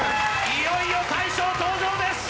いよいよ大将、登場です。